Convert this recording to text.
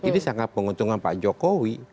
ini sangat menguntungkan pak jokowi